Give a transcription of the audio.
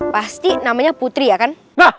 pasti namanya putri ya kan